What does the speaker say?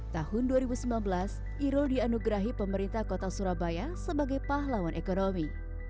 tahun dua ribu sembilan belas iro dianugerahi pemerintah kota surabaya sebagai pahlawan ekonomi